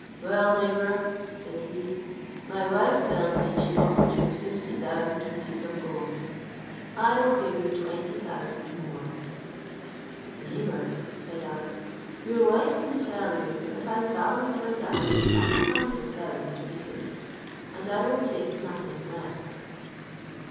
"Well, neighbour," said he, "my wife tells me she offered you fifty thousand pieces of gold: I will give you twenty thousand more." "Neighbour," said I, "your wife can tell you that I valued my diamond at a hundred thousand pieces, and I will take nothing less."